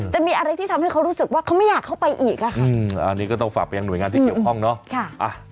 จะมีอะไรที่ทำให้เขารู้สึกว่าเขาไม่อยากเข้าไปอีกอะค่ะอันนี้ก็ต้องฝากไปยังหน่วยงานที่เกี่ยวข้องเนาะ